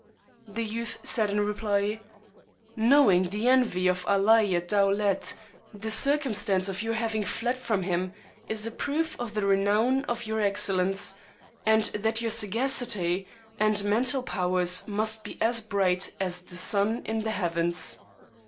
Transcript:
The youth said in reply, " Knowing the envy of Alai ed Dowlet, the circumstance of your having fled from him is a proof of the renown of your excellence, and that your sagacity and mental powers must be as bright as the sun in the heavens.